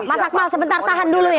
masakmal sebentar tahan dulu ya